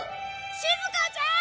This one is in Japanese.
しずかちゃーん！